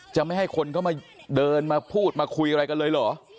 จะไม่ให้คนเข้ามาเดินมาพูดมาคุยอะไรกันเลยเหรอ